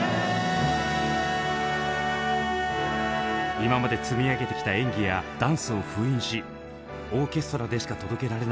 今まで積み上げてきた演技やダンスを封印しオーケストラでしか届けられない